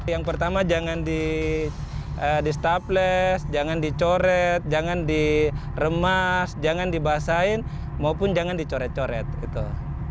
yang pertama jangan di stopless jangan dicoret jangan diremas jangan dibasahin maupun jangan dicoret coret gitu